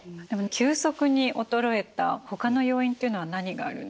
急速に衰えたほかの要因っていうのは何があるんですか？